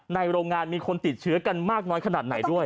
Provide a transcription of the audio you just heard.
โรงงานมีคนติดเชื้อกันมากน้อยขนาดไหนด้วย